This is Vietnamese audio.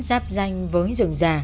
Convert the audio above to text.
giáp danh với rừng già